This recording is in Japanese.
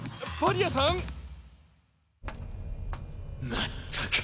まったく。